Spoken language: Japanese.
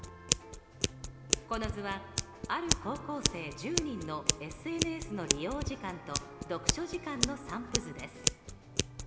この図はある高校生１０人のＳＮＳの利用時間と読書時間の散布図です。